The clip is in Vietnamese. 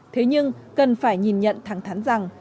thế nhưng cần phải nhìn nhận thẳng thắn rằng